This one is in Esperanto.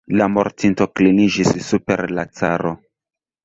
La mortinto kliniĝis super la caro.